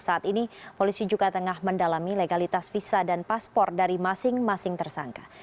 saat ini polisi juga tengah mendalami legalitas visa dan paspor dari masing masing tersangka